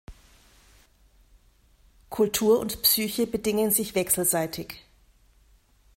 Kultur und Psyche bedingen sich wechselseitig.